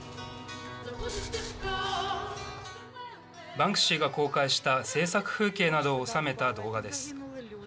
バンクシーが公開した制作風景などを収めた動画です。